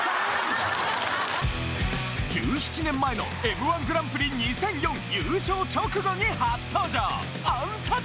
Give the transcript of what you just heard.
１７年前の『Ｍ−１グランプリ２００４』優勝直後に初登場！